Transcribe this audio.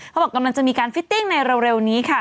กำลังจะมีการฟิตติ้งในเร็วนี้ค่ะ